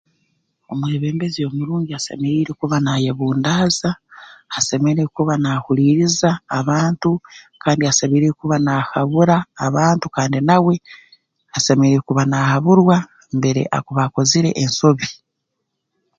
Omwebembezi omurungi asemeriire kuba naayebundaaza asemeriire kuba naahuliiriza abantu kandi asemeriire kuba naahabura abantu kandi nawe asemeriire kuba naahaburwa mbere akuba akozere ensobi